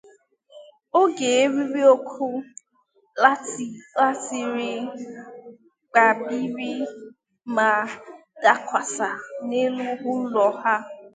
oge eriri ọkụ latiriịi gbabìrì ma dakwasa n'elu ụlọ ha